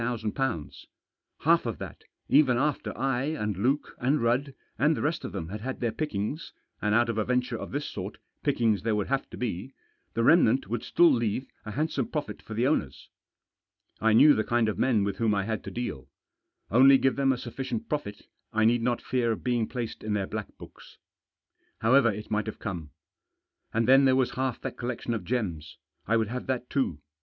Half of that, even after I, and Luke, and Rudd, and the rest of them had had their pickings — and out of a venture of this sort pickings there would have to be — the remnant would still leave a handsome profit for the owners. I knew the kind of men with whom I had to deal. Only give them a sufficient profit, I need not fear being placed in their black books. However it might have come. And then there was half that collection of gems — I would have that too.